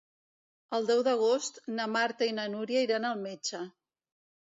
El deu d'agost na Marta i na Nura iran al metge.